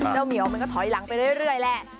เหมียวมันก็ถอยหลังไปเรื่อยแหละ